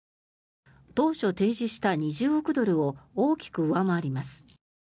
当初提示した２０億ドルを大きく上回ります。